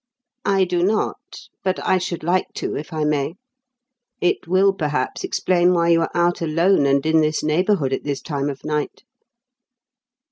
I do not; but I should like to if I may. It will perhaps explain why you are out alone and in this neighbourhood at this time of night."